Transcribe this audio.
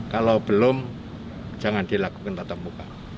kalau belum jangan dilakukan tatap muka